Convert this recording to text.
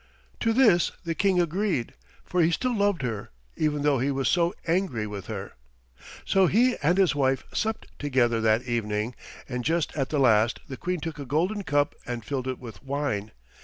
To this the King agreed, for he still loved her, even though he was so angry with her. So he and his wife supped together that evening, and just at the last the Queen took a golden cup and filled it with wine.